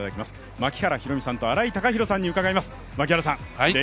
槙原寛己さんと新井貴浩さんに伺います。